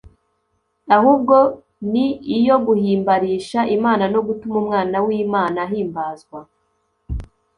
ahubwo ni iyo guhimbarisha Imana, no gutuma Umwana w'Imana ahimbazwa."